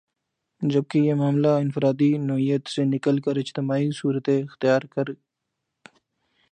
جبکہ یہ معاملہ انفرادی نوعیت سے نکل کر اجتماعی صورت اختیار کر